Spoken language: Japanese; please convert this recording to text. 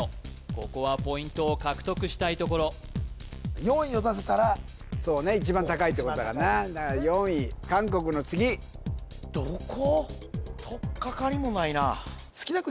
ここはポイントを獲得したいところ４位を出せたらそうね一番高いってことだからな４位韓国の次どこ！？